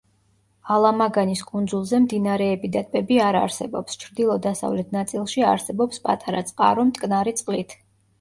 ალამაგანის კუნძულზე მდინარეები და ტბები არ არსებობს, ჩრდილო-დასავლეთ ნაწილში არსებობს პატარა წყარო მტკნარი წყლით.